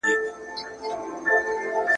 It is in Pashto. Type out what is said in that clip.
خپل ټول عمر د افغانستان د تاریخي حافظې